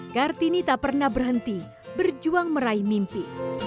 kartini tak pernah berhenti berjuang meraih mimpi